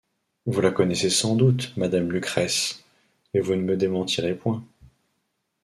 Vous la connaissez sans doute, madame Lucrèce, et vous ne me démentirez point!